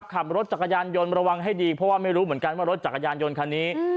ขับรถจักรยานยนต์ระวังให้ดีเพราะว่าไม่รู้เหมือนกันว่ารถจักรยานยนต์คันนี้